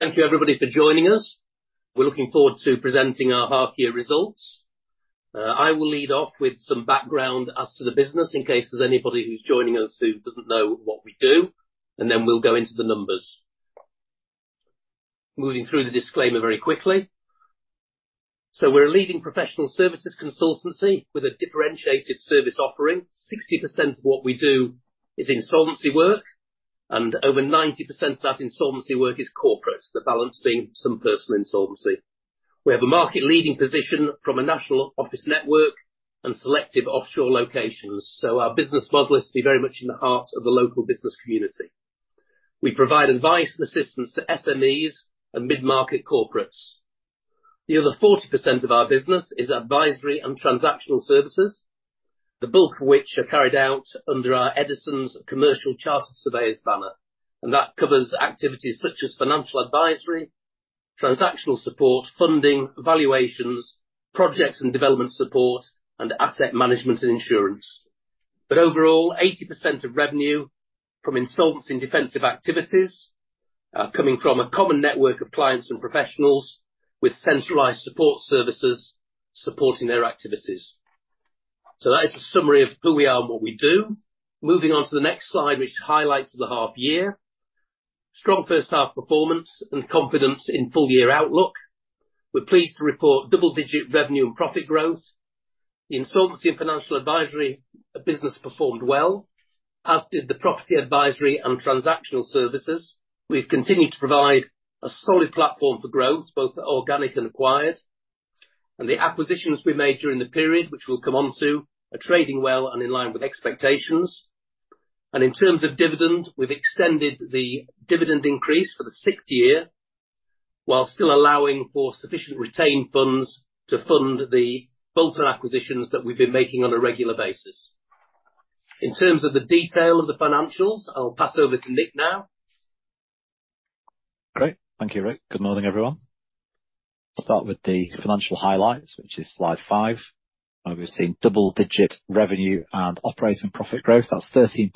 Thank you everybody for joining us. We're looking forward to presenting our half year results. I will lead off with some background as to the business, in case there's anybody who's joining us who doesn't know what we do, and then we'll go into the numbers. Moving through the disclaimer very quickly. So we're a leading professional services consultancy with a differentiated service offering. 60% of what we do is insolvency work, and over 90% of that insolvency work is corporate, the balance being some personal insolvency. We have a market leading position from a national office network and selective offshore locations, so our business model is to be very much in the heart of the local business community. We provide advice and assistance to SMEs and mid-market corporates. The other 40% of our business is advisory and transactional services, the bulk of which are carried out under our Eddisons Commercial Chartered Surveyors banner, and that covers activities such as financial advisory, transactional support, funding, valuations, projects and development support, and asset management and insurance. But overall, 80% of revenue from insolvency and defensive activities, coming from a common network of clients and professionals with centralized support services supporting their activities. So that is a summary of who we are and what we do. Moving on to the next slide, which highlights the half year. Strong first half performance and confidence in full year outlook. We're pleased to report double-digit revenue and profit growth. The insolvency and financial advisory business performed well, as did the property advisory and transactional services. We've continued to provide a solid platform for growth, both organic and acquired, and the acquisitions we made during the period, which we'll come on to, are trading well and in line with expectations. In terms of dividend, we've extended the dividend increase for the sixth year, while still allowing for sufficient retained funds to fund the bolt-on acquisitions that we've been making on a regular basis. In terms of the detail of the financials, I'll pass over to Nick now. Great, thank you, Ric. Good morning, everyone. I'll start with the financial highlights, which is slide five, where we've seen double-digit revenue and operating profit growth. That's 13%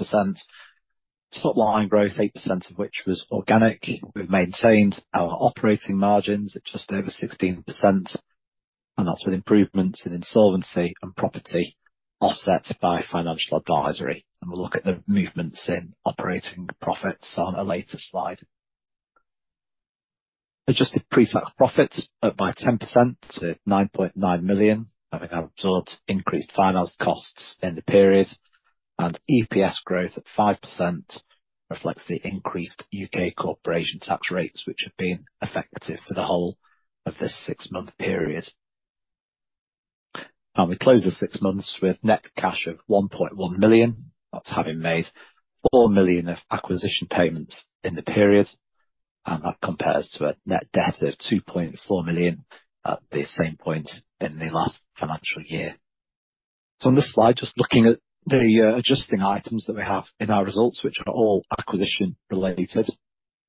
top line growth, 8% of which was organic. We've maintained our operating margins at just over 16%, and that's with improvements in insolvency and property, offset by financial advisory. We'll look at the movements in operating profits on a later slide. Adjusted pre-tax profits up by 10% to 9.9 million, having absorbed increased finance costs in the period, and EPS growth at 5% reflects the increased UK corporation tax rates, which have been effective for the whole of this six-month period. We closed the six months with net cash of 1.1 million. That's having made 4 million of acquisition payments in the period, and that compares to a net debt of 2.4 million at the same point in the last financial year. So on this slide, just looking at the adjusting items that we have in our results, which are all acquisition related.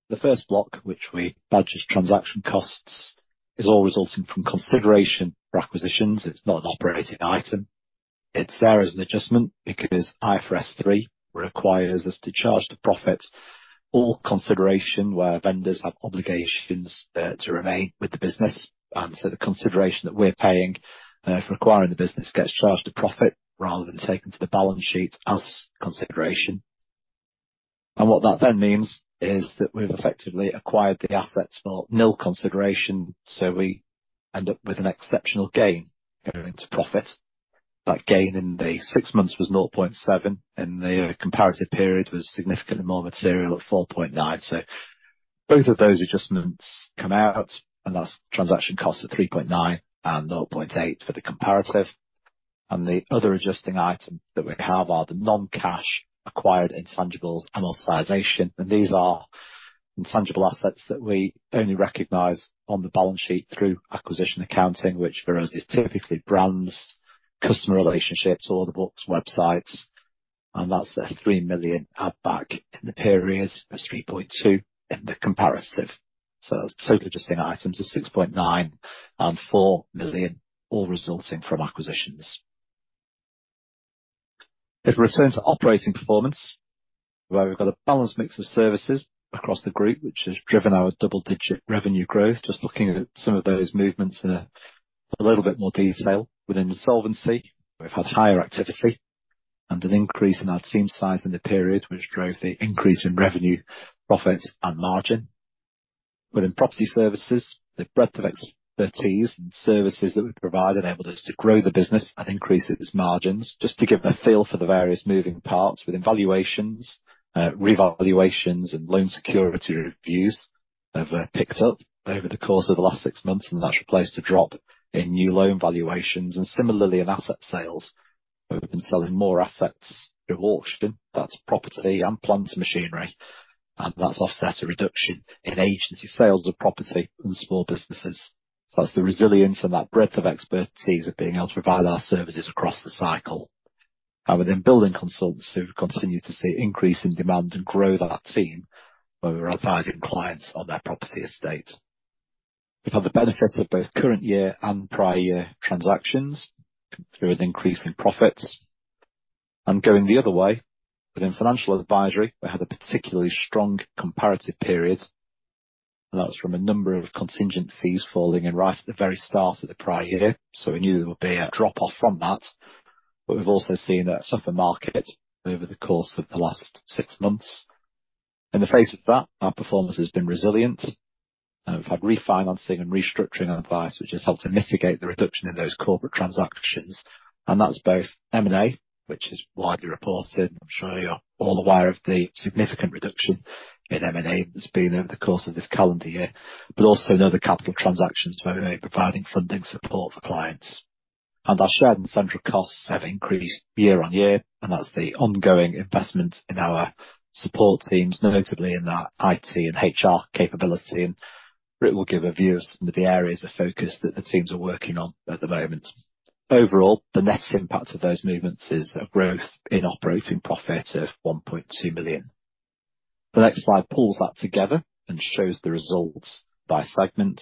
The first block, which we badge as transaction costs, is all resulting from consideration for acquisitions. It's not an operating item. It's there as an adjustment because IFRS 3 requires us to charge to profit all consideration where vendors have obligations to remain with the business, and so the consideration that we're paying for acquiring the business gets charged to profit rather than taken to the balance sheet as consideration. And what that then means is that we've effectively acquired the assets for nil consideration, so we end up with an exceptional gain going into profit. That gain in the six months was 0.7 million, and the comparative period was significantly more material at 4.9 million. So both of those adjustments come out, and that's transaction costs of 3.9 million and 0.8 million for the comparative. And the other adjusting item that we have are the non-cash acquired intangibles amortization, and these are intangible assets that we only recognize on the balance sheet through acquisition accounting, which for us is typically brands, customer relationships, order books, websites, and that's a 3 million add back in the period, of 3.2 million in the comparative. So total adjusting items are 6.9 million and 4 million, all resulting from acquisitions. If we return to operating performance, where we've got a balanced mix of services across the group, which has driven our double-digit revenue growth. Just looking at some of those movements in a little bit more detail. Within insolvency, we've had higher activity and an increase in our team size in the period, which drove the increase in revenue, profit and margin. Within property services, the breadth of expertise and services that we provide enabled us to grow the business and increase its margins. Just to give a feel for the various moving parts, within valuations, revaluations and loan security reviews have picked up over the course of the last six months, and that's replaced a drop in new loan valuations. And similarly, in asset sales, we've been selling more assets through auction. That's property and plant machinery, and that's offset a reduction in agency sales of property and small businesses. So that's the resilience and that breadth of expertise of being able to provide our services across the cycle. Within building consultants, we've continued to see increase in demand and grow that team, where we're advising clients on their property estate. We've had the benefits of both current year and prior year transactions come through with an increase in profits. And going the other way, within financial advisory, we had a particularly strong comparative period, and that was from a number of contingent fees falling in right at the very start of the prior year, so we knew there would be a drop-off from that. But we've also seen a tougher market over the course of the last six months. In the face of that, our performance has been resilient, and we've had refinancing and restructuring advice, which has helped to mitigate the reduction in those corporate transactions. And that's both M&A, which is widely reported. I'm sure you're all aware of the significant reduction in M&A that's been over the course of this calendar year, but also other capital transactions where we're providing funding support for clients. And our shared and central costs have increased year-on-year, and that's the ongoing investment in our support teams, notably in our IT and HR capability. And Ric will give a view of some of the areas of focus that the teams are working on at the moment. Overall, the net impact of those movements is a growth in operating profit of 1.2 million. The next slide pulls that together and shows the results by segment.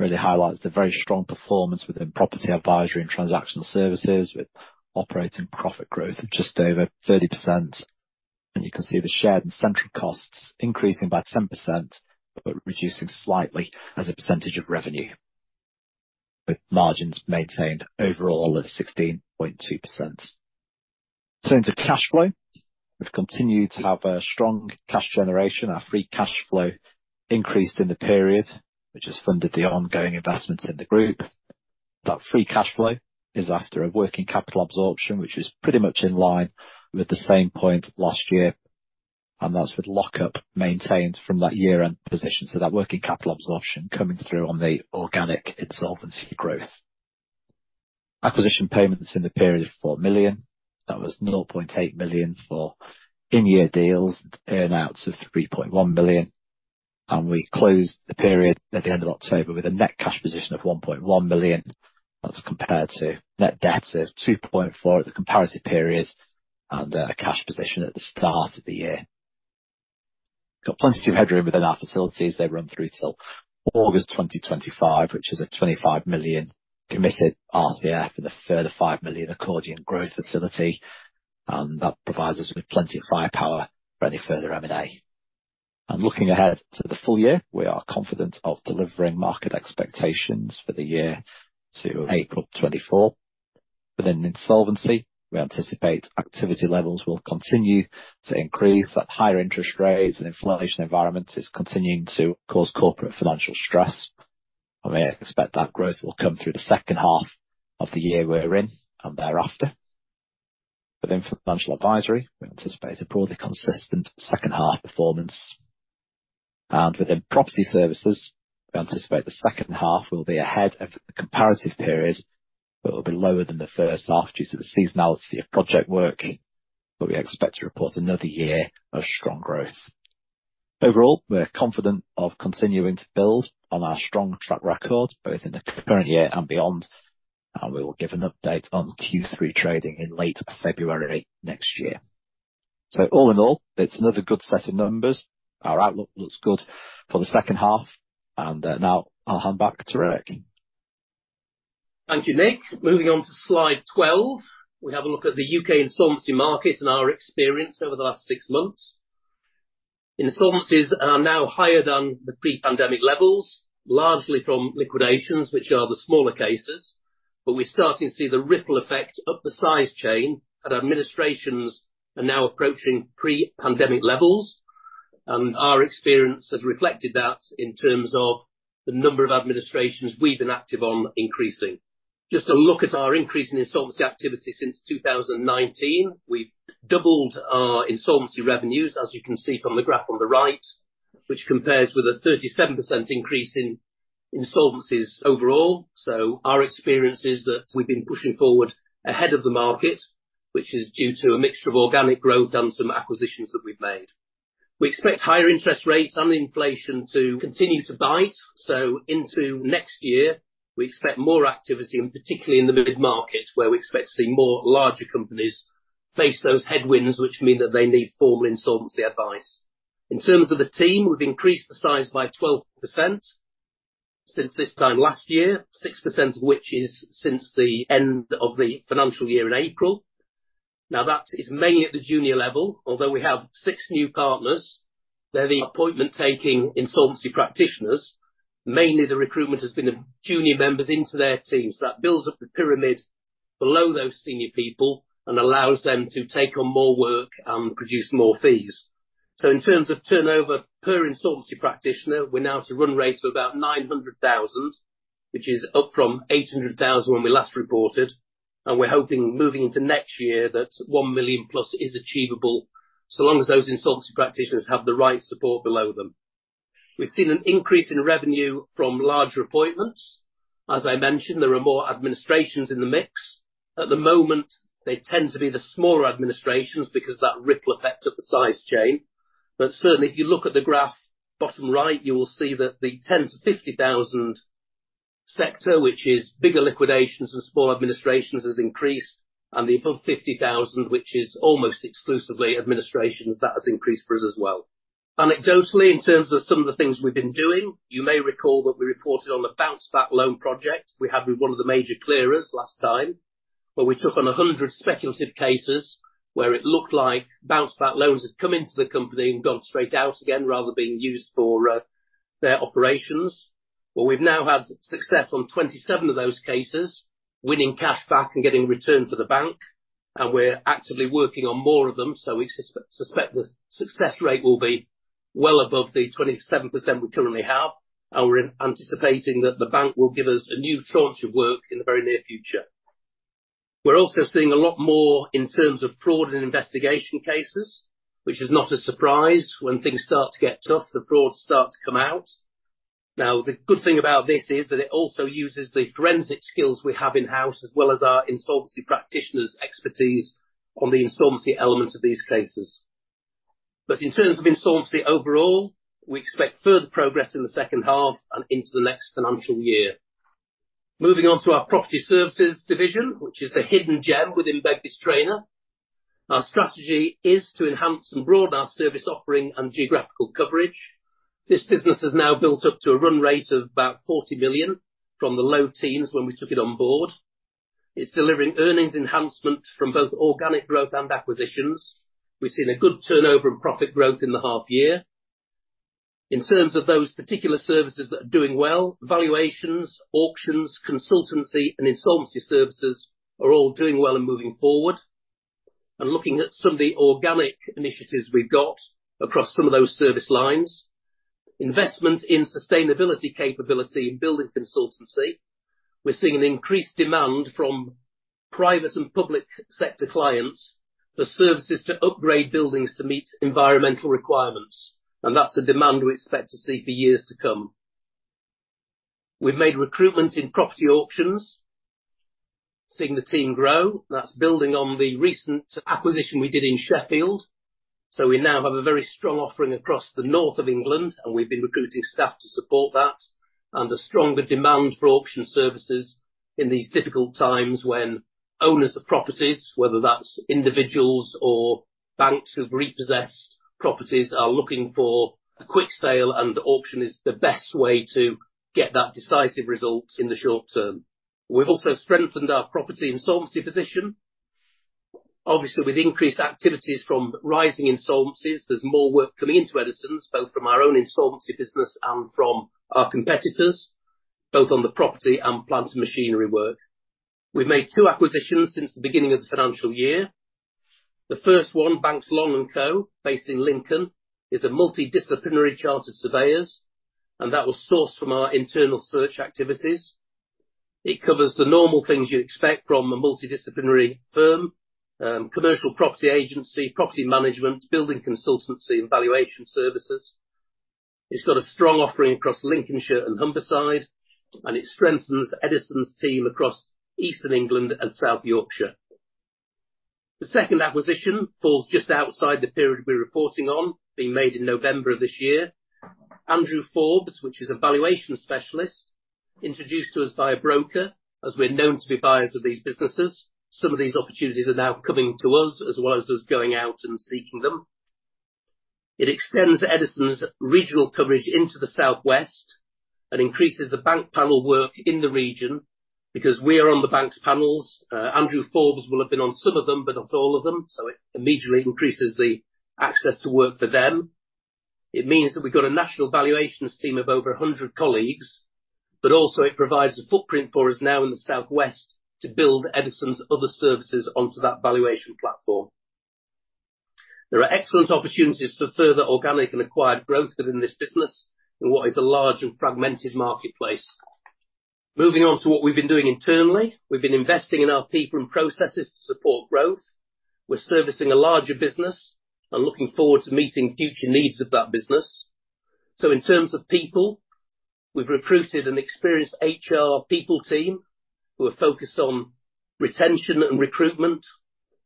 Really highlights the very strong performance within property advisory and transactional services, with operating profit growth of just over 30%. You can see the shared and central costs increasing by 10%, but reducing slightly as a percentage of revenue, with margins maintained overall at 16.2%. Into cash flow, we've continued to have a strong cash generation. Our free cash flow increased in the period, which has funded the ongoing investments in the group. That free cash flow is after a working capital absorption, which is pretty much in line with the same point last year, and that's with lockup maintained from that year-end position. That working capital absorption coming through on the organic insolvency growth. Acquisition payments in the period of 4 million. That was 0.8 million for in-year deals, earn-outs of 3.1 million, and we closed the period at the end of October with a net cash position of 1.1 million. That's compared to net debt of 2.4 million at the comparative period and a cash position at the start of the year. Got plenty of headroom within our facilities. They run through till August 2025, which is a 25 million committed RCF, with a further 5 million accordion growth facility, and that provides us with plenty of firepower for any further M&A. And looking ahead to the full year, we are confident of delivering market expectations for the year to April 2024. Within insolvency, we anticipate activity levels will continue to increase, that higher interest rates and inflation environment is continuing to cause corporate financial stress, and we expect that growth will come through the H2 of the year we're in, and thereafter. Within financial advisory, we anticipate a broadly consistent H2 performance. Within property services, we anticipate the H2 will be ahead of the comparative period, but will be lower than the H1 due to the seasonality of project work, but we expect to report another year of strong growth. Overall, we're confident of continuing to build on our strong track record, both in the current year and beyond, and we will give an update on Q3 trading in late February next year. All in all, it's another good set of numbers. Our outlook looks good for the H2 and, now I'll hand back to Ric. Thank you, Nick. Moving on to slide 12, we have a look at the UK insolvency market and our experience over the last six months. Insolvencies are now higher than the pre-pandemic levels, largely from liquidations, which are the smaller cases, but we're starting to see the ripple effect up the size chain, and administrations are now approaching pre-pandemic levels. Our experience has reflected that in terms of the number of administrations we've been active on increasing. Just a look at our increase in insolvency activity since 2019. We've doubled our insolvency revenues, as you can see from the graph on the right, which compares with a 37% increase in insolvencies overall. Our experience is that we've been pushing forward ahead of the market, which is due to a mixture of organic growth and some acquisitions that we've made. We expect higher interest rates and inflation to continue to bite, so into next year, we expect more activity, and particularly in the mid-market, where we expect to see more larger companies face those headwinds which mean that they need formal insolvency advice. In terms of the team, we've increased the size by 12% since this time last year, 6% of which is since the end of the financial year in April. Now, that is mainly at the junior level, although we have six new partners, they're the appointment-taking insolvency practitioners. Mainly, the recruitment has been of junior members into their teams. That builds up the pyramid below those senior people and allows them to take on more work and produce more fees. So in terms of turnover per insolvency practitioner, we're now at a run rate of about 900,000, which is up from 800,000 when we last reported, and we're hoping, moving into next year, that 1 million+ is achievable, so long as those insolvency practitioners have the right support below them. We've seen an increase in revenue from larger appointments. As I mentioned, there are more administrations in the mix. At the moment, they tend to be the smaller administrations because of that ripple effect up the size chain. But certainly, if you look at the graph, bottom right, you will see that the 10,000-50,000 sector, which is bigger liquidations and small administrations, has increased, and the above 50,000, which is almost exclusively administrations, that has increased for us as well. Anecdotally, in terms of some of the things we've been doing, you may recall that we reported on the Bounce Back Loan project we had with one of the major clearers last time, where we took on 100 speculative cases where it looked like Bounce Back loans had come into the company and gone straight out again, rather than being used for their operations. Well, we've now had success on 27 of those cases, winning cash back and getting returned to the bank, and we're actively working on more of them, so we suspect the success rate will be well above the 27% we currently have, and we're anticipating that the bank will give us a new tranche of work in the very near future. We're also seeing a lot more in terms of fraud and investigation cases, which is not a surprise. When things start to get tough, the fraud starts to come out. Now, the good thing about this is that it also uses the forensic skills we have in-house, as well as our insolvency practitioners' expertise on the insolvency elements of these cases. But in terms of insolvency overall, we expect further progress in the H2 and into the next financial year. Moving on to our property services division, which is the hidden gem within Begbies Traynor. Our strategy is to enhance and broaden our service offering and geographical coverage. This business has now built up to a run rate of about 40 million from the low teens when we took it on board. It's delivering earnings enhancement from both organic growth and acquisitions. We've seen a good turnover and profit growth in the half year. In terms of those particular services that are doing well, valuations, auctions, consultancy, and insolvency services are all doing well and moving forward. Looking at some of the organic initiatives we've got across some of those service lines, investment in sustainability capability and building consultancy, we're seeing an increased demand from private and public sector clients for services to upgrade buildings to meet environmental requirements, and that's the demand we expect to see for years to come. We've made recruitments in property auctions, seeing the team grow. That's building on the recent acquisition we did in Sheffield, so we now have a very strong offering across the north of England, and we've been recruiting staff to support that, and a stronger demand for auction services in these difficult times when owners of properties, whether that's individuals or banks who've repossessed properties, are looking for a quick sale, and auction is the best way to get that decisive result in the short term. We've also strengthened our property insolvency position. Obviously, with increased activities from rising insolvencies, there's more work coming into Eddisons, both from our own insolvency business and from our competitors, both on the property and plant machinery work. We've made two acquisitions since the beginning of the financial year. The first one, Banks Long & Co, based in Lincoln, is a multidisciplinary chartered surveyors, and that was sourced from our internal search activities. It covers the normal things you'd expect from a multidisciplinary firm, commercial property agency, property management, building consultancy, and valuation services. It's got a strong offering across Lincolnshire and Humberside, and it strengthens Eddisons' team across Eastern England and South Yorkshire. The second acquisition falls just outside the period we're reporting on, being made in November of this year. Andrew Forbes, which is a valuation specialist, introduced to us by a broker, as we're known to be buyers of these businesses. Some of these opportunities are now coming to us, as well as us going out and seeking them. It extends Eddisons' regional coverage into the southwest and increases the bank panel work in the region, because we are on the banks' panels. Andrew Forbes will have been on some of them, but not all of them, so it immediately increases the access to work for them. It means that we've got a national valuations team of over 100 colleagues, but also it provides a footprint for us now in the southwest to build Eddisons' other services onto that valuation platform. There are excellent opportunities for further organic and acquired growth within this business, in what is a large and fragmented marketplace. Moving on to what we've been doing internally. We've been investing in our people and processes to support growth. We're servicing a larger business and looking forward to meeting future needs of that business. So in terms of people, we've recruited an experienced HR people team, who are focused on retention and recruitment,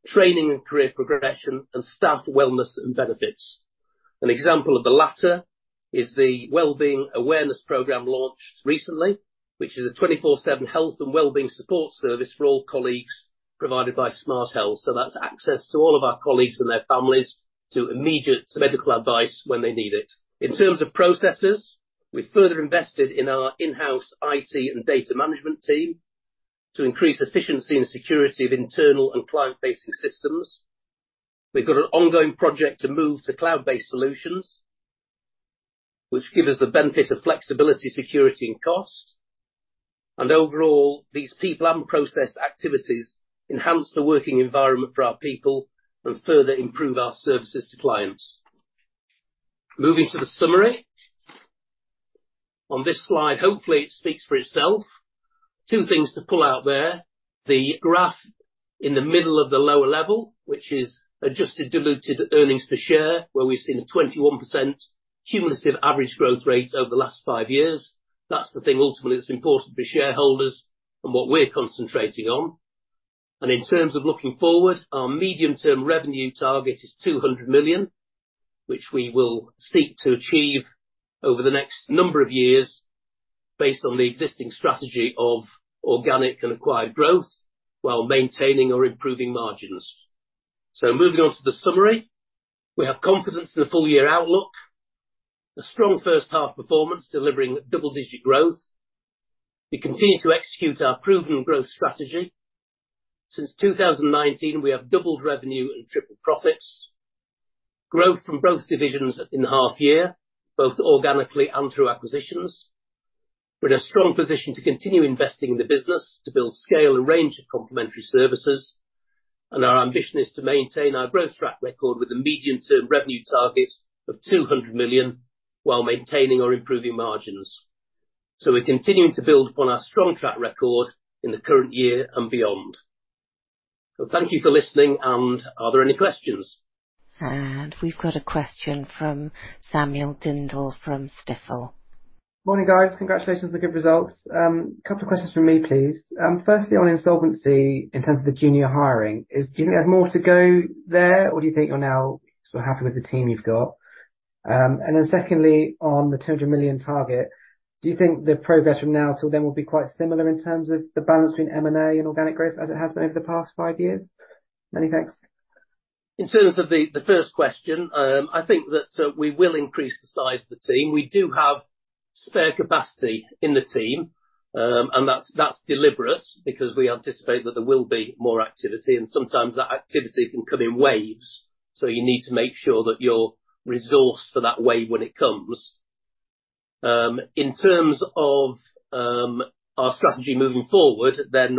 training and career progression, and staff wellness and benefits. An example of the latter is the Wellbeing Awareness Program launched recently, which is a 24/7 health and wellbeing support service for all colleagues, provided by Smart Health. So that's access to all of our colleagues and their families to immediate medical advice when they need it. In terms of processes, we've further invested in our in-house IT and data management team to increase efficiency and security of internal and client-facing systems. We've got an ongoing project to move to cloud-based solutions, which give us the benefit of flexibility, security, and cost. And overall, these people and process activities enhance the working environment for our people and further improve our services to clients. Moving to the summary. On this slide, hopefully it speaks for itself. Two things to pull out there. The graph in the middle of the lower level, which is adjusted Diluted Earnings Per Share, where we've seen a 21% cumulative average growth rate over the last five years. That's the thing, ultimately, that's important for shareholders and what we're concentrating on. In terms of looking forward, our medium-term revenue target is 200 million, which we will seek to achieve over the next number of years based on the existing strategy of organic and acquired growth, while maintaining or improving margins. Moving on to the summary, we have confidence in the full-year outlook, a strong H1 performance delivering double-digit growth. We continue to execute our proven growth strategy. Since 2019, we have doubled revenue and tripled profits. Growth from both divisions in the half year, both organically and through acquisitions. We're in a strong position to continue investing in the business, to build scale and range of complementary services, and our ambition is to maintain our growth track record with a medium-term revenue target of 200 million, while maintaining or improving margins. We're continuing to build upon our strong track record in the current year and beyond. Well, thank you for listening, and are there any questions? We've got a question from Samuel Dindol from Stifel. Morning, guys. Congratulations on the good results. A couple of questions from me, please. Firstly, on insolvency in terms of the junior hiring, is do you think I have more to go there, or do you think you're now sort of happy with the team you've got? And then secondly, on the 200 million target, do you think the progress from now till then will be quite similar in terms of the balance between M&A and organic growth as it has been over the past five years? Many thanks. In terms of the first question, I think that we will increase the size of the team. We do have spare capacity in the team, and that's deliberate because we anticipate that there will be more activity, and sometimes that activity can come in waves. So you need to make sure that you're resourced for that wave when it comes. In terms of our strategy moving forward,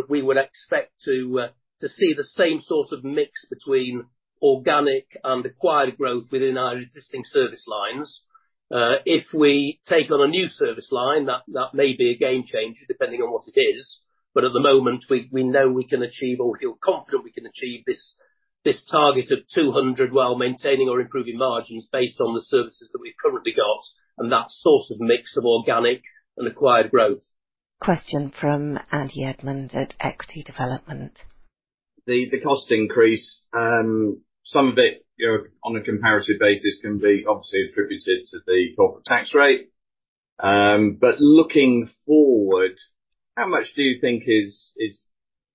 we would expect to see the same sort of mix between organic and acquired growth within our existing service lines. If we take on a new service line, that may be a game changer, depending on what it is, but at the moment, we know we can achieve, or feel confident we can achieve, this target of 200 while maintaining or improving margins based on the services that we've currently got, and that sort of mix of organic and acquired growth. Question from Andy Edmond at Equity Development. The cost increase, some of it, you know, on a comparative basis, can be obviously attributed to the corporate tax rate. But looking forward, how much do you think is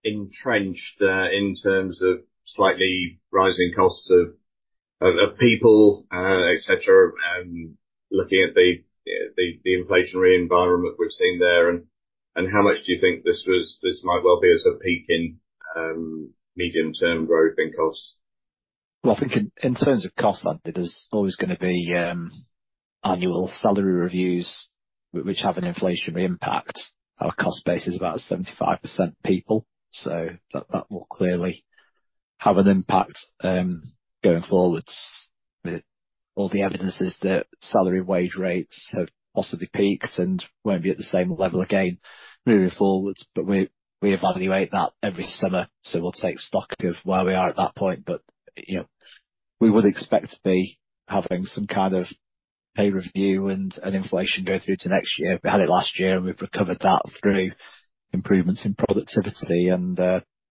entrenched, in terms of slightly rising costs of people, et cetera, looking at the inflationary environment we're seeing there, and how much do you think this might well be as a peak in medium-term growth in costs? Well, I think in, in terms of cost, Andy, there's always gonna be annual salary reviews which have an inflationary impact. Our cost base is about 75% people, so that, that will clearly have an impact going forwards. All the evidence is that salary wage rates have possibly peaked and won't be at the same level again moving forwards, but we, we evaluate that every summer, so we'll take stock of where we are at that point. But, you know, we would expect to be having some kind of pay review and, and inflation go through to next year. We had it last year, and we've recovered that through improvements in productivity and,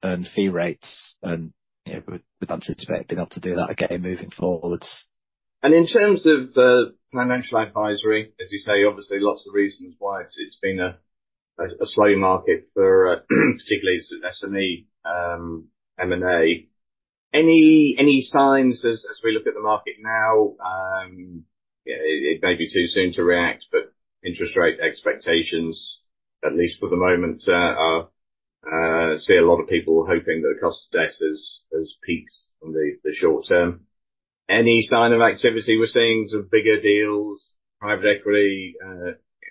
and fee rates, and, you know, we, we'd anticipate being able to do that again moving forwards. And in terms of financial advisory, as you say, obviously lots of reasons why it's been a slow market for particularly SME M&A. Any signs as we look at the market now, yeah, it may be too soon to react, but interest rate expectations, at least for the moment, see a lot of people hoping that the cost of debt has peaked on the short term. Any sign of activity? We're seeing some bigger deals, private equity,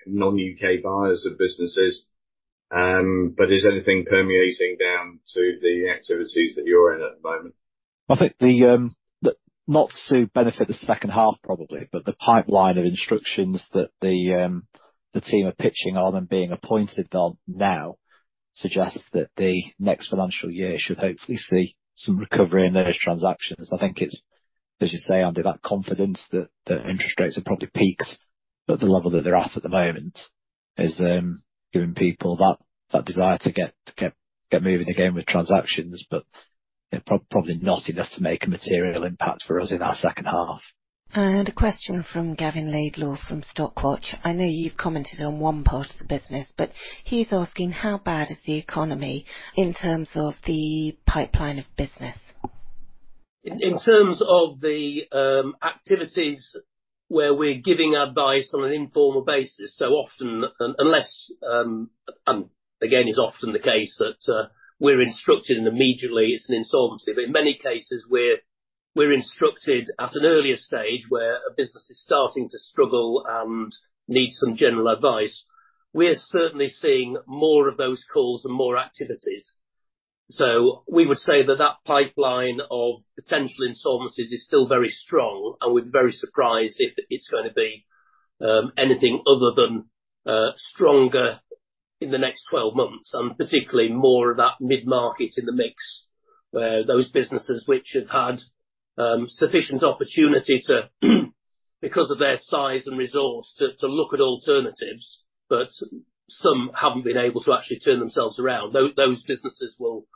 non-U.K. buyers of businesses, but is anything permeating down to the activities that you're in at the moment? I think the not to benefit the H2, probably, but the pipeline of instructions that the team are pitching on and being appointed on now suggests that the next financial year should hopefully see some recovery in those transactions. I think it's, as you say, Andy, that confidence that interest rates have probably peaked, but the level that they're at at the moment is giving people that desire to get moving again with transactions, but, you know, probably not enough to make a material impact for us in our H2. A question from Gavin Laidlaw, from Stockwatch. I know you've commented on one part of the business, but he's asking: How bad is the economy in terms of the pipeline of business? In terms of the activities where we're giving advice on an informal basis, so often, unless, and again, it's often the case that we're instructed, and immediately it's an insolvency, but in many cases, we're instructed at an earlier stage, where a business is starting to struggle and needs some general advice. We are certainly seeing more of those calls and more activities. So we would say that that pipeline of potential insolvencies is still very strong, and we'd be very surprised if it's gonna be anything other than stronger in the next 12 months, and particularly more of that mid-market in the mix, where those businesses which have had sufficient opportunity to look at alternatives, but some haven't been able to actually turn themselves around. Those businesses will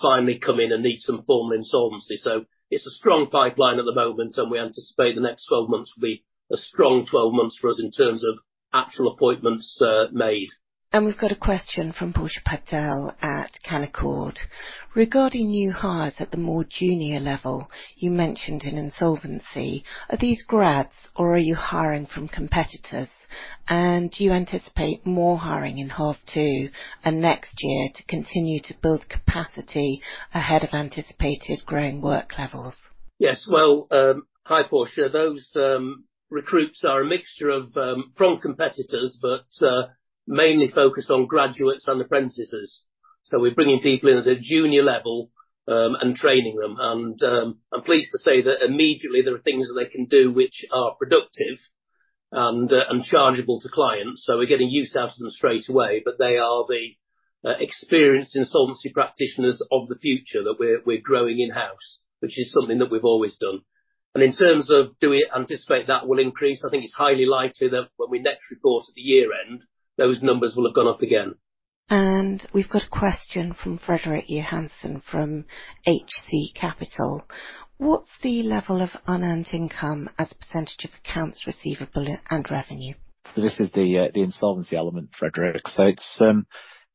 finally come in and need some form of insolvency. So it's a strong pipeline at the moment, and we anticipate the next 12 months will be a strong 12 months for us in terms of actual appointments made. We've got a question from Portia Patel at Canaccord. Regarding new hires at the more junior level you mentioned in insolvency, are these grads, or are you hiring from competitors? And do you anticipate more hiring in half two and next year to continue to build capacity ahead of anticipated growing work levels? Yes. Well, hi, Portia. Those recruits are a mixture of from competitors, but mainly focused on graduates and apprentices. So we're bringing people in at a junior level, and training them. And I'm pleased to say that immediately there are things that they can do which are productive and chargeable to clients, so we're getting use out of them straight away. But they are the experienced insolvency practitioners of the future that we're growing in-house, which is something that we've always done. And in terms of do we anticipate that will increase? I think it's highly likely that when we next report at the year-end, those numbers will have gone up again. And we've got a question from Frederick Johansson from HC Capital. What's the level of unearned income as a percentage of accounts receivable and revenue? This is the insolvency element, Frederick. So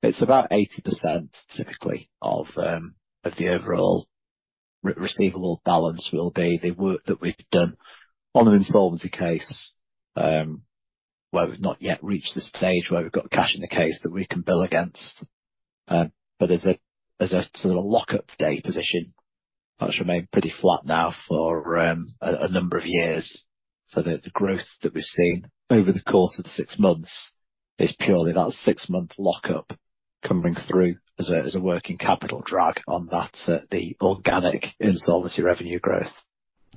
it's about 80%, typically, of the overall receivable balance will be the work that we've done on an insolvency case, where we've not yet reached the stage where we've got cash in the case that we can bill against. But there's a sort of a lockup day position that's remained pretty flat now for a number of years. So the growth that we've seen over the course of the six months is purely that six-month lockup coming through as a working capital drag on the organic insolvency revenue growth.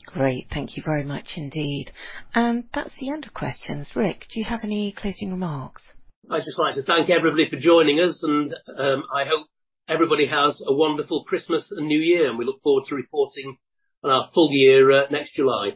Great. Thank you very much indeed. That's the end of questions. Ric, do you have any closing remarks? I'd just like to thank everybody for joining us, and I hope everybody has a wonderful Christmas and New Year, and we look forward to reporting on our full year next July.